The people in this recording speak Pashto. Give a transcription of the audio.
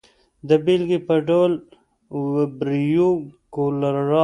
د بېلګې په ډول وبریو کولرا.